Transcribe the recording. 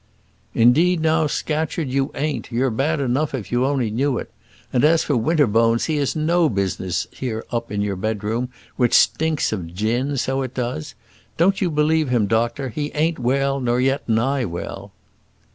"Indeed, now, Scatcherd, you ain't; you're bad enough if you only knew it. And as for Winterbones, he has no business here up in your bedroom, which stinks of gin so, it does. Don't you believe him, doctor; he ain't well, nor yet nigh well."